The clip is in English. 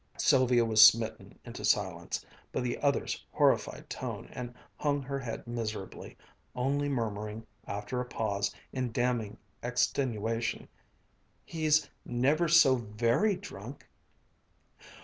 Sylvia was smitten into silence by the other's horrified tone and hung her head miserably, only murmuring, after a pause, in damning extenuation, "He's never so very drunk!"